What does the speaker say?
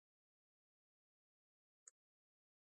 ازادي راډیو د د ښځو حقونه پرمختګ او شاتګ پرتله کړی.